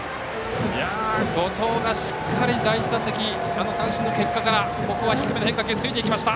後藤がしっかり第１打席の三振の結果からここは低めの変化球についていきました。